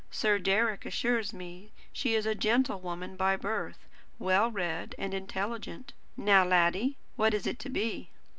Sir Deryck assures me she is a gentlewoman by birth, well read and intelligent. Now, laddie, what is it to be?"